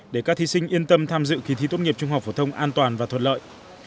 để các thí sinh yên tâm tham dự kỳ thi tốt nghiệp trung học phổ thông an toàn và thuận lợi